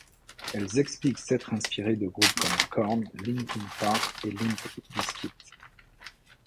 Elles expliquent s'être inspirées de groupes comme Korn, Linkin Park, et Limp Bizkit.